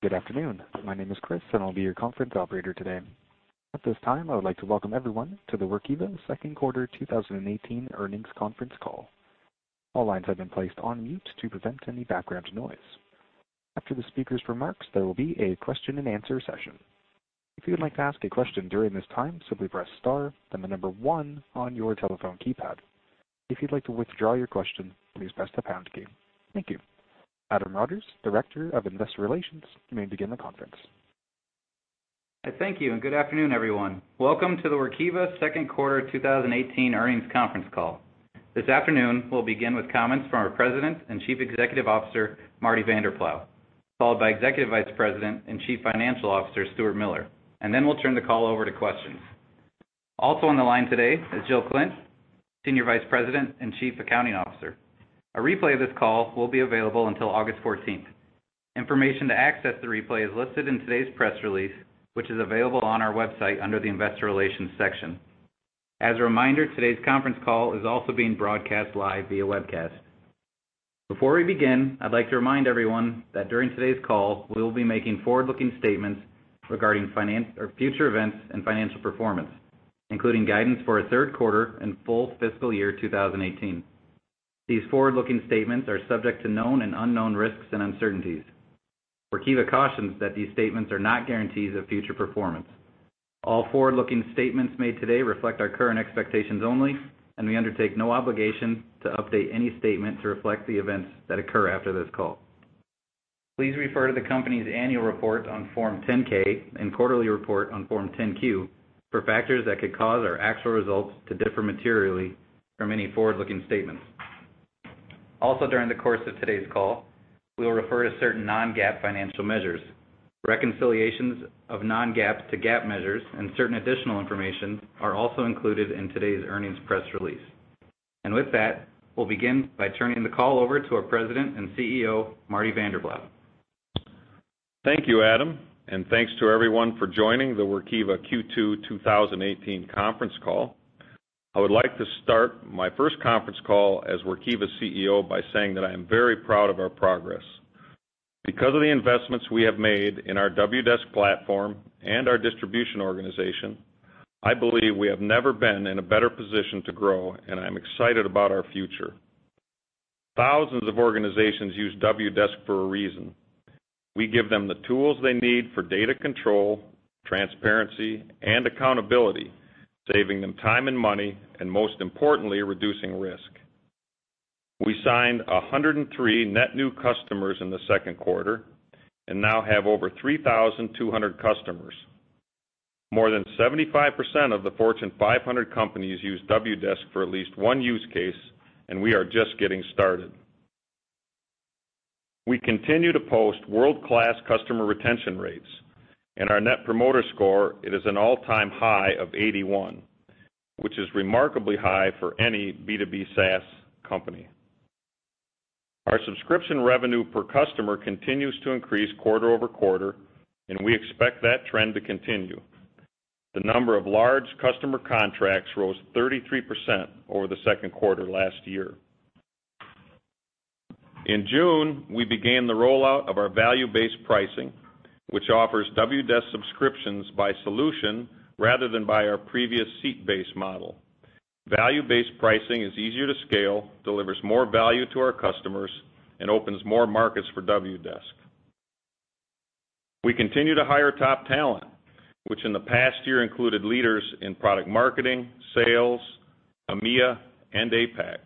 Good afternoon. My name is Chris, and I'll be your conference operator today. At this time, I would like to welcome everyone to the Workiva second quarter 2018 earnings conference call. All lines have been placed on mute to prevent any background noise. After the speaker's remarks, there will be a question and answer session. If you would like to ask a question during this time, simply press star, then the number one on your telephone keypad. If you'd like to withdraw your question, please press the pound key. Thank you. Adam Rogers, Director of Investor Relations, you may begin the conference. I thank you. Good afternoon, everyone. Welcome to the Workiva second quarter 2018 earnings conference call. This afternoon, we'll begin with comments from our President and Chief Executive Officer, Marty Vanderploeg, followed by Executive Vice President and Chief Financial Officer, Stuart Miller. Then we'll turn the call over to questions. Also on the line today is Jill Klindt, Senior Vice President and Chief Accounting Officer. A replay of this call will be available until August 14th. Information to access the replay is listed in today's press release, which is available on our website under the investor relations section. As a reminder, today's conference call is also being broadcast live via webcast. Before we begin, I'd like to remind everyone that during today's call, we will be making forward-looking statements regarding future events and financial performance, including guidance for our third quarter and full fiscal year 2018. These forward-looking statements are subject to known and unknown risks and uncertainties. Workiva cautions that these statements are not guarantees of future performance. All forward-looking statements made today reflect our current expectations only, and we undertake no obligation to update any statement to reflect the events that occur after this call. Please refer to the company's annual report on Form 10-K and quarterly report on Form 10-Q for factors that could cause our actual results to differ materially from any forward-looking statements. Also, during the course of today's call, we will refer to certain non-GAAP financial measures. Reconciliations of non-GAAP to GAAP measures and certain additional information are also included in today's earnings press release. With that, we'll begin by turning the call over to our President and CEO, Marty Vanderploeg. Thank you, Adam. Thanks to everyone for joining the Workiva Q2 2018 conference call. I would like to start my first conference call as Workiva CEO by saying that I am very proud of our progress. Because of the investments we have made in our Wdesk platform and our distribution organization, I believe we have never been in a better position to grow. I'm excited about our future. Thousands of organizations use Wdesk for a reason. We give them the tools they need for data control, transparency, and accountability, saving them time and money, and most importantly, reducing risk. We signed 103 net new customers in the second quarter and now have over 3,200 customers. More than 75% of the Fortune 500 companies use Wdesk for at least one use case. We are just getting started. We continue to post world-class customer retention rates, and our Net Promoter Score is an all-time high of 81, which is remarkably high for any B2B SaaS company. Our subscription revenue per customer continues to increase quarter-over-quarter, and we expect that trend to continue. The number of large customer contracts rose 33% over the second quarter last year. In June, we began the rollout of our value-based pricing, which offers Wdesk subscriptions by solution rather than by our previous seat-based model. Value-based pricing is easier to scale, delivers more value to our customers, and opens more markets for Wdesk. We continue to hire top talent, which in the past year included leaders in product marketing, sales, EMEA, and APAC.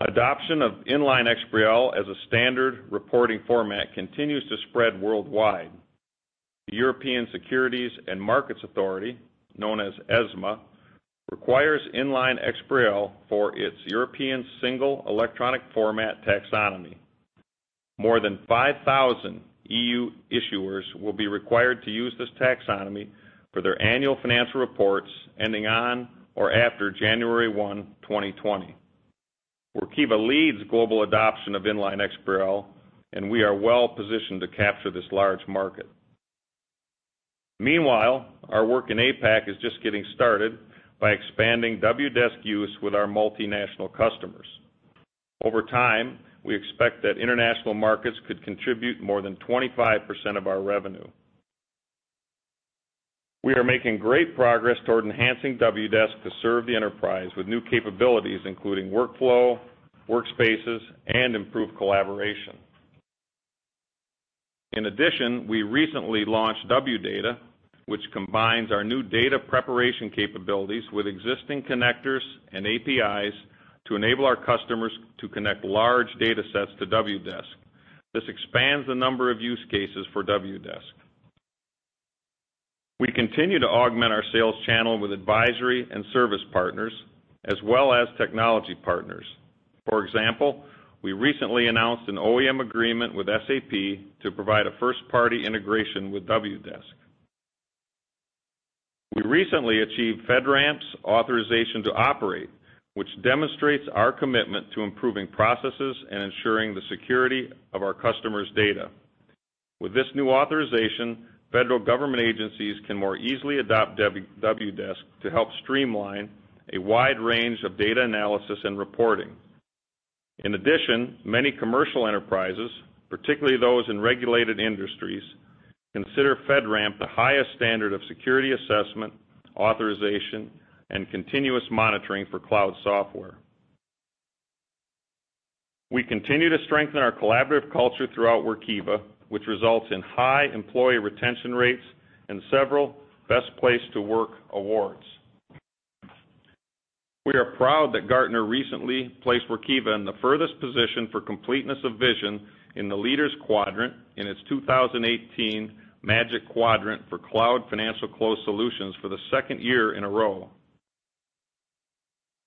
Adoption of Inline XBRL as a standard reporting format continues to spread worldwide. The European Securities and Markets Authority, known as ESMA, requires Inline XBRL for its European Single Electronic Format taxonomy. More than 5,000 EU issuers will be required to use this taxonomy for their annual financial reports ending on or after January 1, 2020. Workiva leads global adoption of Inline XBRL, and we are well positioned to capture this large market. Meanwhile, our work in APAC is just getting started by expanding Wdesk use with our multinational customers. Over time, we expect that international markets could contribute more than 25% of our revenue. We are making great progress toward enhancing Wdesk to serve the enterprise with new capabilities, including workflow, workspaces, and improved collaboration. In addition, we recently launched WData, which combines our new data preparation capabilities with existing connectors and APIs to enable our customers to connect large data sets to Wdesk. This expands the number of use cases for Wdesk. We continue to augment our sales channel with advisory and service partners, as well as technology partners. For example, we recently announced an OEM agreement with SAP to provide a first-party integration with Wdesk. We recently achieved FedRAMP's authorization to operate, which demonstrates our commitment to improving processes and ensuring the security of our customers' data. With this new authorization, federal government agencies can more easily adopt Wdesk to help streamline a wide range of data analysis and reporting. In addition, many commercial enterprises, particularly those in regulated industries, consider FedRAMP the highest standard of security assessment, authorization, and continuous monitoring for cloud software. We continue to strengthen our collaborative culture throughout Workiva, which results in high employee retention rates and several best place to work awards. We are proud that Gartner recently placed Workiva in the furthest position for completeness of vision in the Leaders Quadrant in its 2018 Magic Quadrant for Cloud Financial Close Solutions for the second year in a row.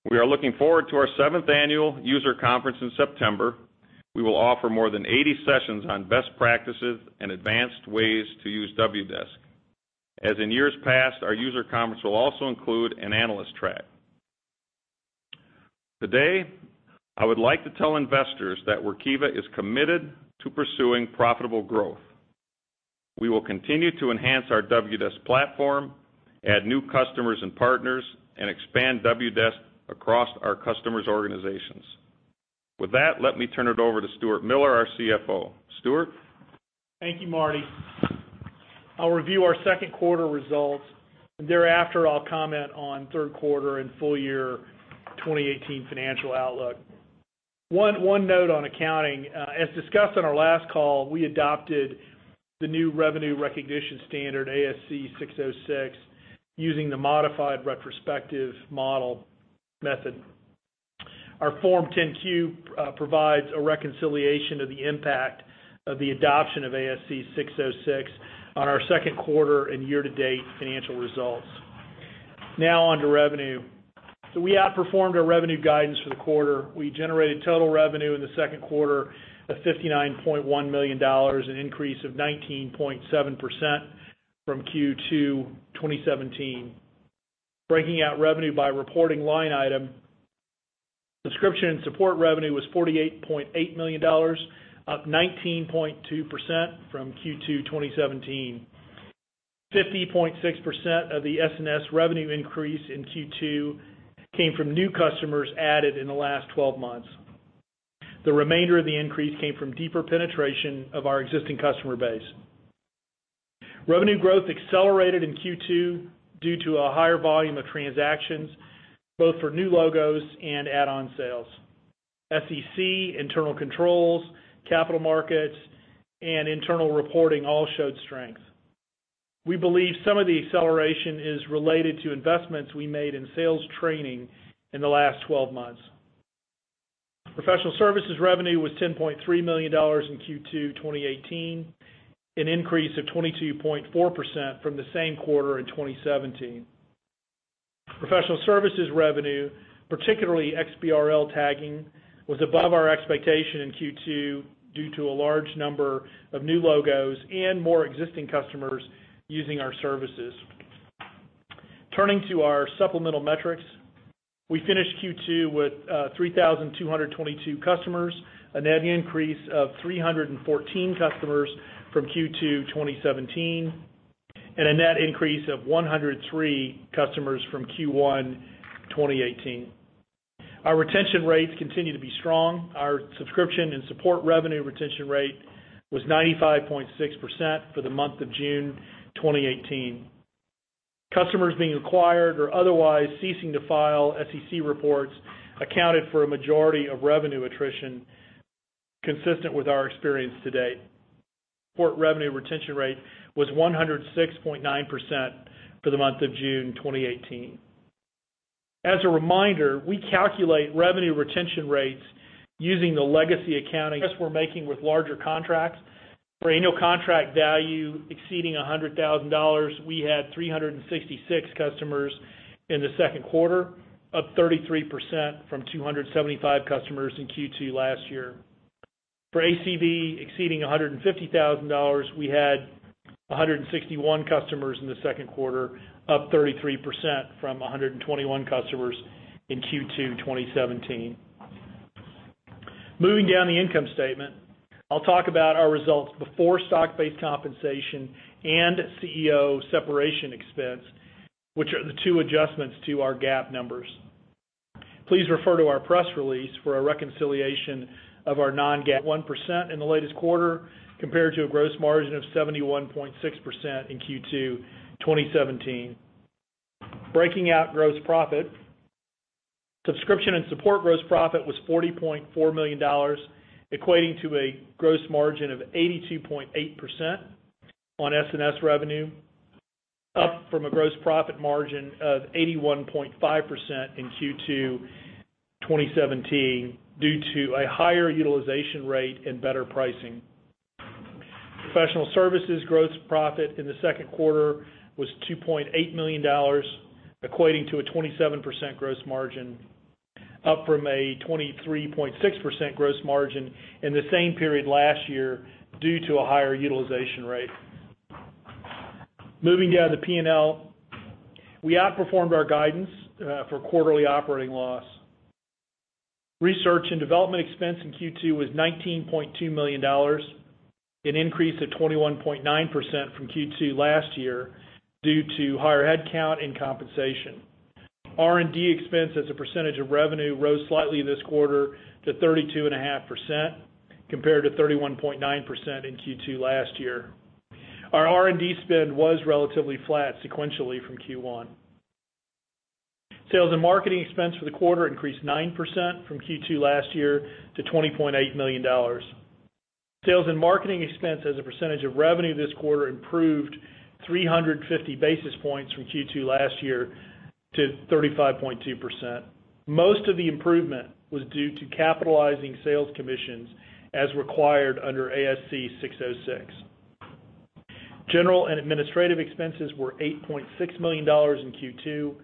We are looking forward to our seventh annual user conference in September. We will offer more than 80 sessions on best practices and advanced ways to use Wdesk. As in years past, our user conference will also include an analyst track. Today, I would like to tell investors that Workiva is committed to pursuing profitable growth. We will continue to enhance our Wdesk platform, add new customers and partners, and expand Wdesk across our customers' organizations. With that, let me turn it over to Stuart Miller, our CFO. Stuart? Thank you, Marty. I'll review our second quarter results, and thereafter, I'll comment on third quarter and full year 2018 financial outlook. One note on accounting. As discussed on our last call, we adopted the new revenue recognition standard, ASC 606, using the modified retrospective model method. Our Form 10-Q provides a reconciliation of the impact of the adoption of ASC 606 on our second quarter and year-to-date financial results. Now on to revenue. We outperformed our revenue guidance for the quarter. We generated total revenue in the second quarter of $59.1 million, an increase of 19.7% from Q2 2017. Breaking out revenue by reporting line item, subscription and support revenue was $48.8 million, up 19.2% from Q2 2017. 50.6% of the SNS revenue increase in Q2 came from new customers added in the last 12 months. The remainder of the increase came from deeper penetration of our existing customer base. Revenue growth accelerated in Q2 due to a higher volume of transactions, both for new logos and add-on sales. SEC, internal controls, capital markets, and internal reporting all showed strength. We believe some of the acceleration is related to investments we made in sales training in the last 12 months. Professional services revenue was $10.3 million in Q2 2018, an increase of 22.4% from the same quarter in 2017. Professional services revenue, particularly XBRL tagging, was above our expectation in Q2 due to a large number of new logos and more existing customers using our services. Turning to our supplemental metrics, we finished Q2 with 3,222 customers, a net increase of 314 customers from Q2 2017, and a net increase of 103 customers from Q1 2018. Our retention rates continue to be strong. Our subscription and support revenue retention rate was 95.6% for the month of June 2018. Customers being acquired or otherwise ceasing to file SEC reports accounted for a majority of revenue attrition, consistent with our experience to date. Support revenue retention rate was 106.9% for the month of June 2018. As a reminder, we calculate revenue retention rates using the legacy accounting. For annual contract value exceeding $100,000, we had 366 customers in the second quarter, up 33% from 275 customers in Q2 last year. For ACV exceeding $150,000, we had 161 customers in the second quarter, up 33% from 121 customers in Q2 2017. Moving down the income statement, I'll talk about our results before stock-based compensation and CEO separation expense, which are the two adjustments to our GAAP numbers. Please refer to our press release for a reconciliation of [our non-GAAP and GAAP results] in the latest quarter compared to a gross margin of 71.6% in Q2 2017. Breaking out gross profit, subscription and support gross profit was $40.4 million, equating to a gross margin of 82.8% on SNS revenue, up from a gross profit margin of 81.5% in Q2 2017 due to a higher utilization rate and better pricing. Professional services gross profit in the second quarter was $2.8 million, equating to a 27% gross margin, up from a 23.6% gross margin in the same period last year due to a higher utilization rate. Moving down the P&L, we outperformed our guidance for quarterly operating loss. Research and development expense in Q2 was $19.2 million, an increase of 21.9% from Q2 last year due to higher headcount and compensation. R&D expense as a percentage of revenue rose slightly this quarter to 32.5%, compared to 31.9% in Q2 last year. Our R&D spend was relatively flat sequentially from Q1. Sales and marketing expense for the quarter increased 9% from Q2 last year to $20.8 million. Sales and marketing expense as a percentage of revenue this quarter improved 350 basis points from Q2 last year to 35.2%. Most of the improvement was due to capitalizing sales commissions as required under ASC 606. General and administrative expenses were $8.6 million in Q2,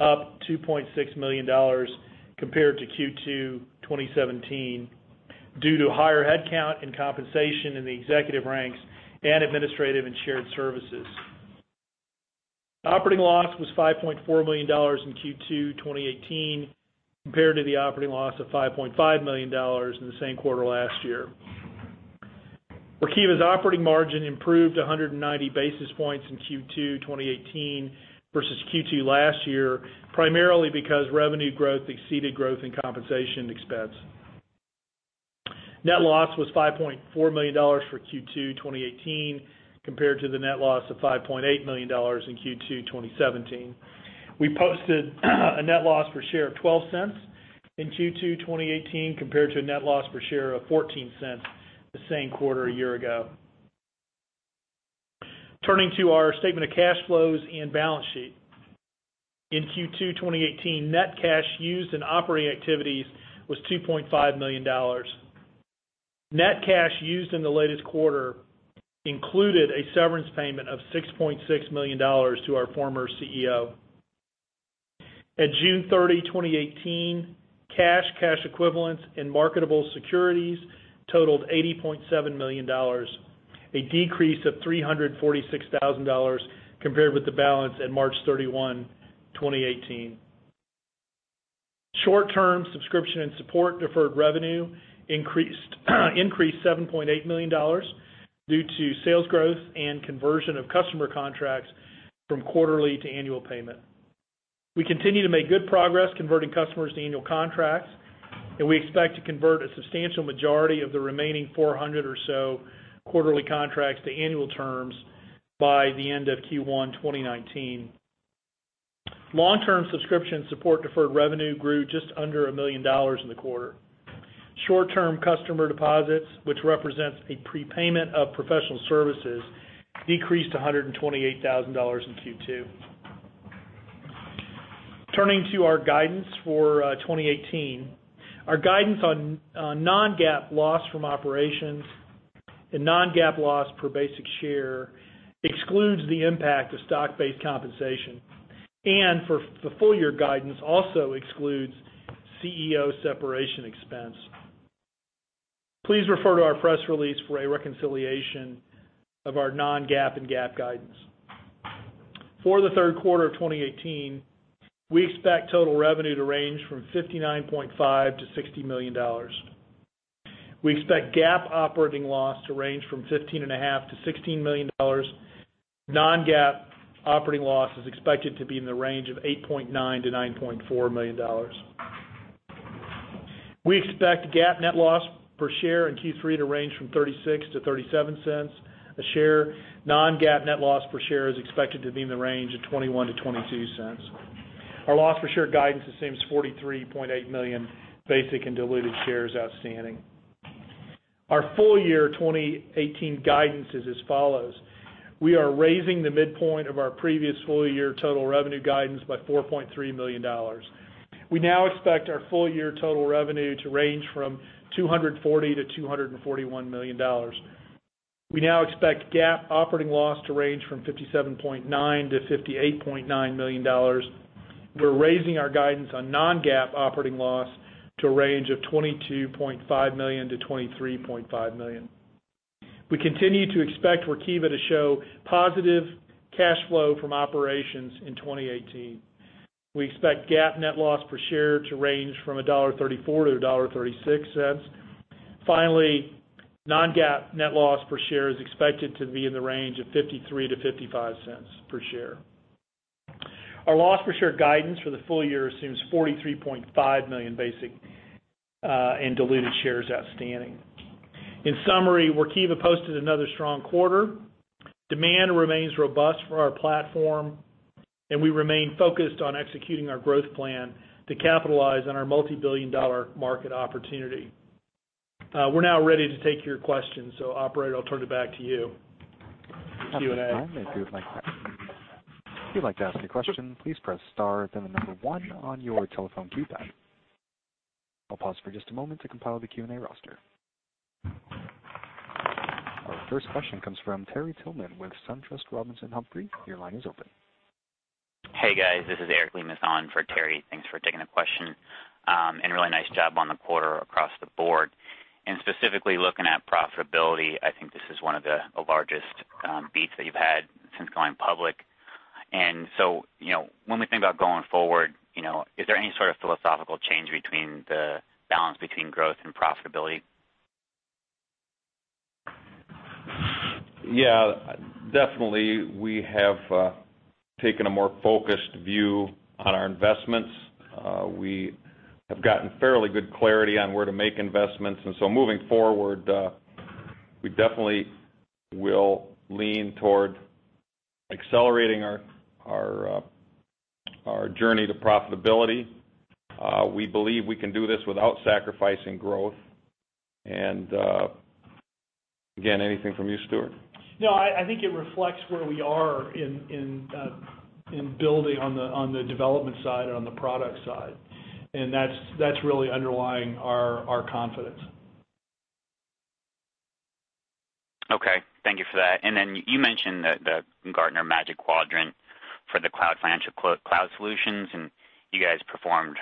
up $2.6 million compared to Q2 2017 due to higher headcount and compensation in the executive ranks and administrative and shared services. Operating loss was $5.4 million in Q2 2018 compared to the operating loss of $5.5 million in the same quarter last year. Workiva's operating margin improved 190 basis points in Q2 2018 versus Q2 last year, primarily because revenue growth exceeded growth in compensation expense. Net loss was $5.4 million for Q2 2018 compared to the net loss of $5.8 million in Q2 2017. We posted a net loss per share of $0.12 in Q2 2018 compared to a net loss per share of $0.14 the same quarter a year ago. Turning to our statement of cash flows and balance sheet. In Q2 2018, net cash used in operating activities was $2.5 million. Net cash used in the latest quarter included a severance payment of $6.6 million to our former CEO. At June 30, 2018, cash equivalents, and marketable securities totaled $80.7 million, a decrease of $346,000 compared with the balance at March 31, 2018. Short-term subscription and support deferred revenue increased $7.8 million due to sales growth and conversion of customer contracts from quarterly to annual payment. We continue to make good progress converting customers to annual contracts, and we expect to convert a substantial majority of the remaining 400 or so quarterly contracts to annual terms by the end of Q1 2019. Long-term subscription support deferred revenue grew just under $1 million in the quarter. Short-term customer deposits, which represents a prepayment of professional services, decreased to $128,000 in Q2. Turning to our guidance for 2018. Our guidance on non-GAAP loss from operations and non-GAAP loss per basic share excludes the impact of stock-based compensation, and for full-year guidance also excludes CEO separation expense. Please refer to our press release for a reconciliation of our non-GAAP and GAAP guidance. For the third quarter of 2018, we expect total revenue to range from $59.5 million-$60 million. We expect GAAP operating loss to range from $15.5 million-$16 million. Non-GAAP operating loss is expected to be in the range of $8.9 million-$9.4 million. We expect GAAP net loss per share in Q3 to range from $0.36-$0.37 a share. Non-GAAP net loss per share is expected to be in the range of $0.21-$0.22. Our loss per share guidance assumes 43.8 million basic and diluted shares outstanding. Our full-year 2018 guidance is as follows. We are raising the midpoint of our previous full-year total revenue guidance by $4.3 million. We now expect our full-year total revenue to range from $240 million-$241 million. We now expect GAAP operating loss to range from $57.9 million-$58.9 million. We're raising our guidance on non-GAAP operating loss to a range of $22.5 million-$23.5 million. We continue to expect Workiva to show positive cash flow from operations in 2018. We expect GAAP net loss per share to range from $1.34 to $1.36. Finally, non-GAAP net loss per share is expected to be in the range of $0.53-$0.55 per share. Our loss per share guidance for the full year assumes 43.5 million basic and diluted shares outstanding. In summary, Workiva posted another strong quarter. Demand remains robust for our platform, and we remain focused on executing our growth plan to capitalize on our multibillion-dollar market opportunity. We're now ready to take your questions. Operator, I'll turn it back to you for Q&A. Thank you again. If you would like to ask a question, please press star then the number 1 on your telephone keypad. I'll pause for just a moment to compile the Q&A roster. Our first question comes from Terry Tillman with SunTrust Robinson Humphrey. Your line is open. Hey guys, this is Eric Lemus for Terry. Thanks for taking the question, really nice job on the quarter across the board. Specifically looking at profitability, I think this is one of the largest beats that you've had since going public. When we think about going forward, is there any sort of philosophical change between the balance between growth and profitability? Yeah, definitely. We have taken a more focused view on our investments. We have gotten fairly good clarity on where to make investments, moving forward, we definitely will lean toward accelerating our journey to profitability. We believe we can do this without sacrificing growth. Again, anything from you, Stuart? I think it reflects where we are in building on the development side and on the product side. That's really underlying our confidence. Okay. Thank you for that. You mentioned the Gartner Magic Quadrant for Cloud Financial Close Solutions, you guys performed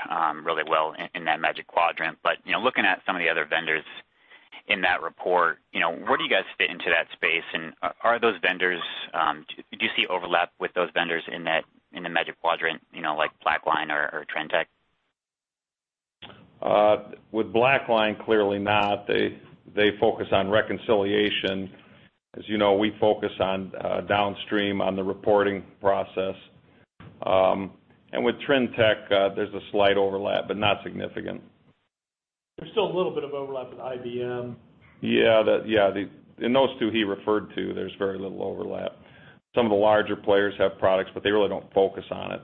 really well in that Magic Quadrant. Looking at some of the other vendors in that report, where do you guys fit into that space? Do you see overlap with those vendors in the Magic Quadrant, like BlackLine or Trintech? With BlackLine, clearly not. They focus on reconciliation. As you know, we focus on downstream, on the reporting process. With Trintech, there's a slight overlap, not significant. There's still a little bit of overlap with IBM. Yeah. In those two he referred to, there's very little overlap. Some of the larger players have products, but they really don't focus on it.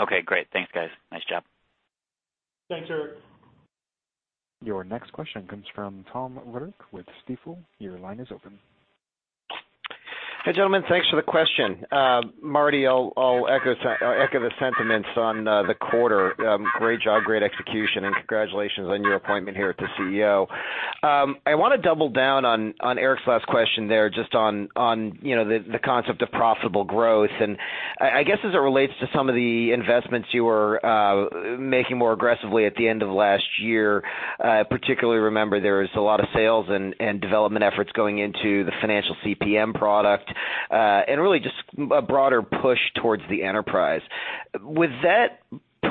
Okay, great. Thanks, guys. Nice job. Thanks, Eric. Your next question comes from Thomas Roderick with Stifel. Your line is open. Hey, gentlemen. Thanks for the question. Marty, I'll echo the sentiments on the quarter. Great job, great execution, and congratulations on your appointment here to CEO. I want to double down on Eric's last question there, just on the concept of profitable growth. As it relates to some of the investments you were making more aggressively at the end of last year, I particularly remember there was a lot of sales and development efforts going into the financial CPM product, and really just a broader push towards the enterprise. With that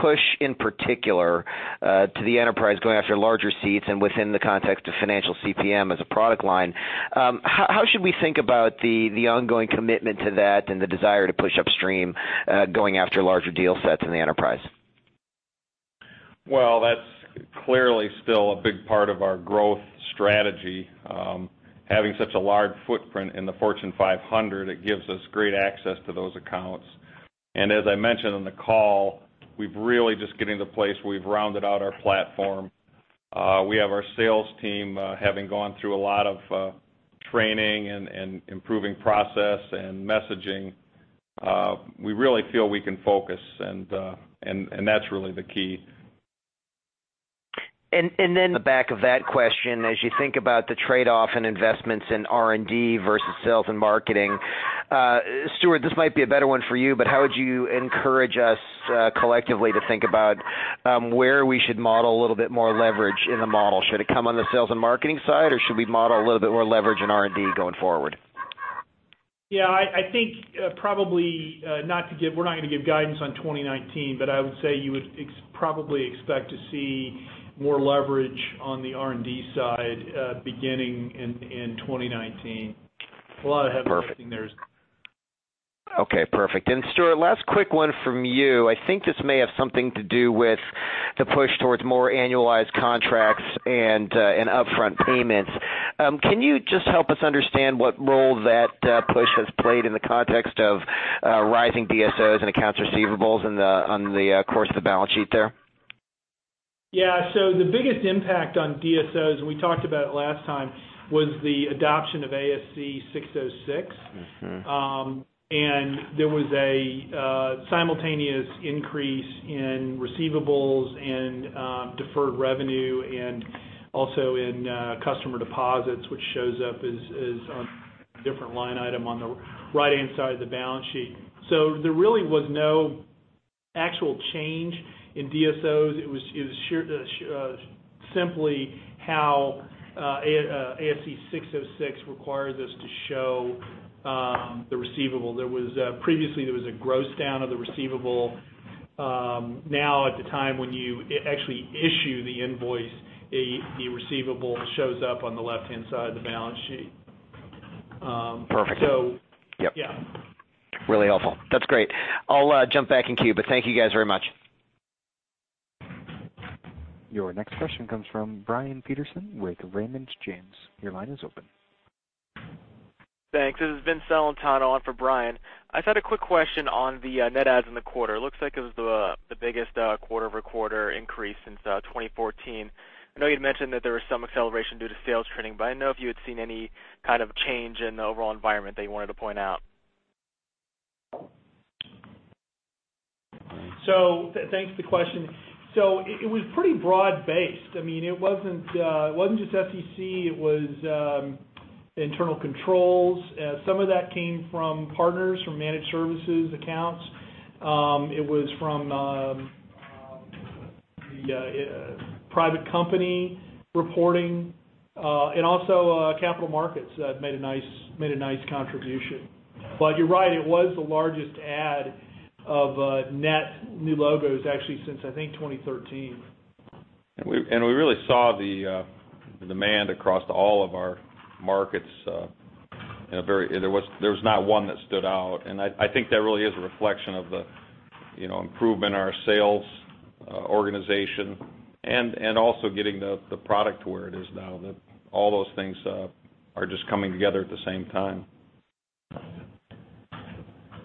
push in particular to the enterprise, going after larger seats and within the context of financial CPM as a product line, how should we think about the ongoing commitment to that and the desire to push upstream, going after larger deal sets in the enterprise? Well, that's clearly still a big part of our growth strategy. Having such a large footprint in the Fortune 500, it gives us great access to those accounts. As I mentioned on the call, we've really just getting to the place we've rounded out our platform. We have our sales team having gone through a lot of training and improving process and messaging. We really feel we can focus and that's really the key. On the back of that question, as you think about the trade-off in investments in R&D versus sales and marketing, Stuart, this might be a better one for you, but how would you encourage us collectively to think about where we should model a little bit more leverage in the model? Should it come on the sales and marketing side, or should we model a little bit more leverage in R&D going forward? Yeah, I think, we're not gonna give guidance on 2019, but I would say you would probably expect to see more leverage on the R&D side, beginning in 2019. A lot of heavy lifting there is- Okay, perfect. Stuart, last quick one from you. I think this may have something to do with the push towards more annualized contracts and upfront payments. Can you just help us understand what role that push has played in the context of rising DSOs and accounts receivables on the course of the balance sheet there? Yeah. The biggest impact on DSOs, and we talked about it last time, was the adoption of ASC 606. There was a simultaneous increase in receivables and deferred revenue and also in customer deposits, which shows up as a different line item on the right-hand side of the balance sheet. There really was no actual change in DSOs. It was simply how ASC 606 requires us to show the receivable. Previously, there was a gross down of the receivable. Now, at the time when you actually issue the invoice, the receivable shows up on the left-hand side of the balance sheet. Perfect. Yeah. Really helpful. That's great. I'll jump back in queue. Thank you guys very much. Your next question comes from Brian Peterson with Raymond James. Your line is open. Thanks. This is Vince Celentano on for Brian. I just had a quick question on the net adds in the quarter. Looks like it was the biggest quarter-over-quarter increase since 2014. I know you'd mentioned that there was some acceleration due to sales training. I didn't know if you had seen any kind of change in the overall environment that you wanted to point out. Thanks for the question. It was pretty broad-based. It wasn't just SEC, it was internal controls. Some of that came from partners, from managed services accounts. It was from the private company reporting, also capital markets made a nice contribution. You're right, it was the largest add of net new logos actually since I think 2013. We really saw the demand across all of our markets. There was not one that stood out, and I think that really is a reflection of the improvement in our sales organization and also getting the product to where it is now, that all those things are just coming together at the same time.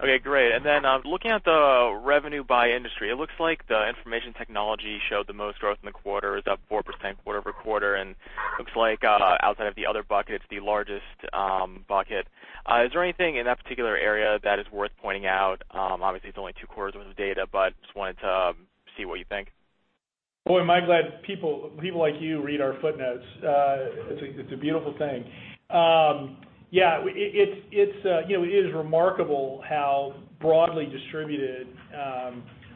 Okay, great. Looking at the revenue by industry, it looks like the information technology showed the most growth in the quarter, is up 4% quarter-over-quarter, and looks like outside of the other buckets, the largest bucket. Is there anything in that particular area that is worth pointing out? Obviously, it's only two quarters worth of data, but just wanted to see what you think. Boy, am I glad people like you read our footnotes. It's a beautiful thing. It is remarkable how broadly distributed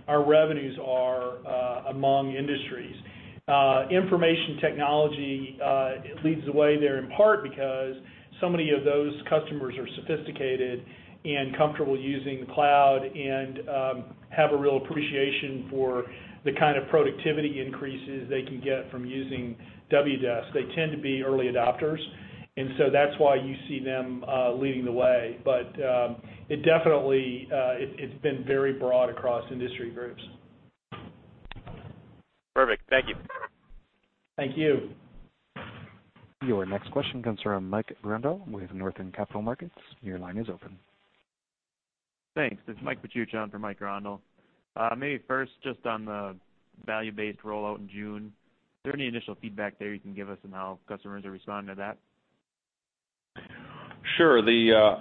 our revenues are among industries. Information technology leads the way there, in part because so many of those customers are sophisticated and comfortable using the cloud and have a real appreciation for the kind of productivity increases they can get from using Wdesk. That's why you see them leading the way. It definitely has been very broad across industry groups. Perfect. Thank you. Thank you. Your next question comes from Mike Grondahl with Northland Capital Markets. Your line is open. Thanks. It's Mike Paciucean for Mike Grondahl. Maybe first, just on the value-based rollout in June, is there any initial feedback there you can give us on how customers are responding to that? Sure.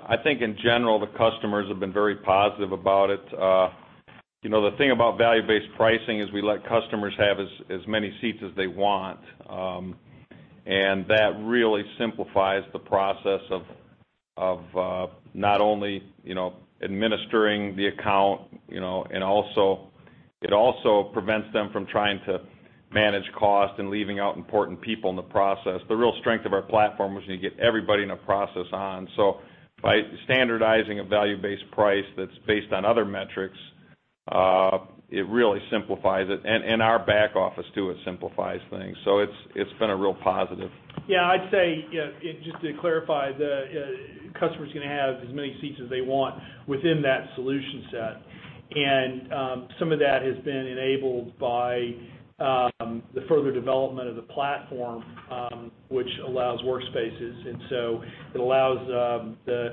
I think in general, the customers have been very positive about it. The thing about value-based pricing is we let customers have as many seats as they want, that really simplifies the process of not only administering the account, it also prevents them from trying to manage cost and leaving out important people in the process. The real strength of our platform is when you get everybody in a process on. By standardizing a value-based price that's based on other metrics, it really simplifies it. Our back office too, it simplifies things. It's been a real positive. Yeah, I'd say, just to clarify, the customer's going to have as many seats as they want within that solution set. Some of that has been enabled by the further development of the platform, which allows workspaces. It allows the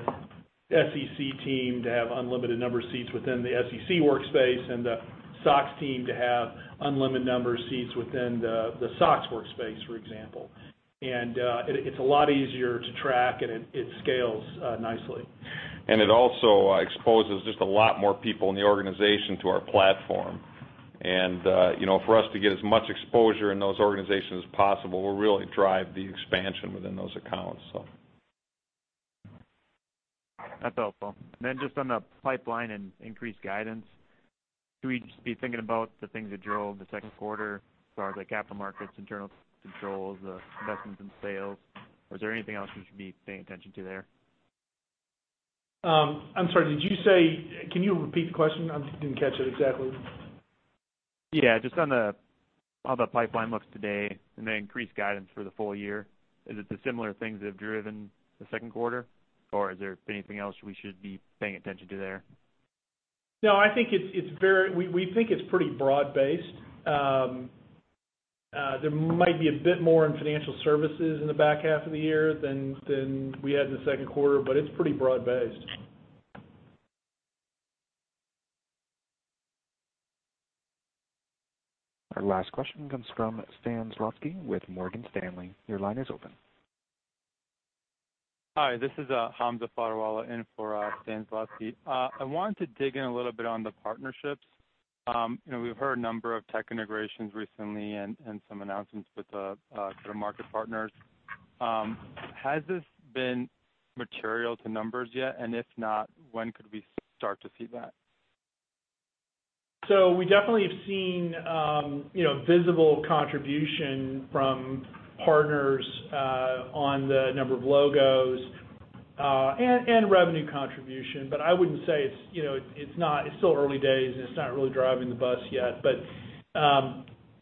SEC team to have unlimited number of seats within the SEC workspace and the SOX team to have unlimited number of seats within the SOX workspace, for example. It's a lot easier to track, and it scales nicely. It also exposes just a lot more people in the organization to our platform. For us to get as much exposure in those organizations as possible will really drive the expansion within those accounts. That's helpful. Just on the pipeline and increased guidance, should we just be thinking about the things that drove the second quarter as far as like capital markets, internal controls, the investments in sales? Or is there anything else we should be paying attention to there? I'm sorry, did you say? Can you repeat the question? I didn't catch it exactly. Yeah. Just on how the pipeline looks today and the increased guidance for the full year. Is it the similar things that have driven the second quarter, or is there anything else we should be paying attention to there? No, we think it's pretty broad-based. There might be a bit more in financial services in the back half of the year than we had in the second quarter, it's pretty broad-based. Our last question comes from Stan Zlotsky with Morgan Stanley. Your line is open. Hi, this is Hamza Fodderwala in for Stan Zlotsky. I wanted to dig in a little bit on the partnerships. We've heard a number of tech integrations recently and some announcements with the sort of market partners. Has this been material to numbers yet? If not, when could we start to see that? We definitely have seen visible contribution from partners on the number of logos, and revenue contribution. I wouldn't say It's still early days, and it's not really driving the bus yet.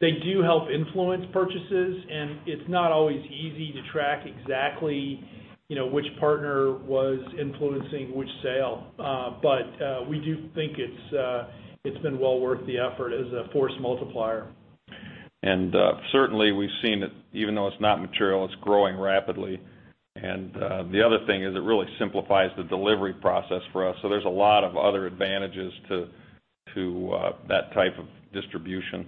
They do help influence purchases, and it's not always easy to track exactly which partner was influencing which sale. We do think it's been well worth the effort as a force multiplier. Certainly, we've seen it, even though it's not material, it's growing rapidly. The other thing is it really simplifies the delivery process for us. There's a lot of other advantages to that type of distribution.